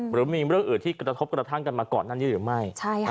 หรือมีเรื่องอื่นที่กระทบกระทั่งกันมาก่อนหน้านี้หรือไม่